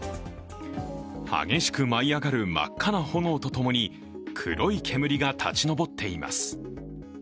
激しく舞い上がる真っ赤な炎とともに黒い煙が立ち上っています。